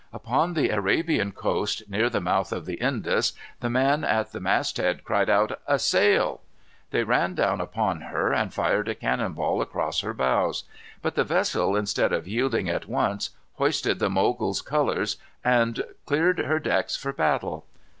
Upon the Arabian coast, near the mouth of the Indus, the man at the mast head cried out, "A sail." They ran down upon her, and fired a cannon ball across her bows. But the vessel, instead of yielding at once, hoisted the Mogul's colors, and cleared her decks for battle.